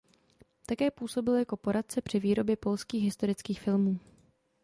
Také působil jako poradce při výrobě polských historických filmů.